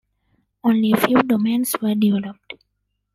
Only a few domains were developed.